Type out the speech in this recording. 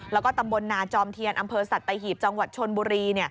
แล้วก็ตำบลนาจอมเทียนอำเภอสัตหีบจังหวัดชนบุรี